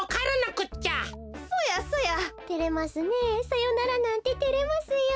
さよならなんててれますよ。